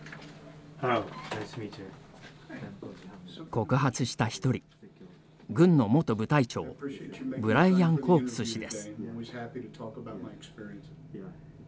告発した一人、軍の元部隊長ブライアン・コープス氏です。